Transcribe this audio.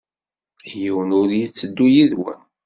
Yiwen ur yetteddu yid-wen.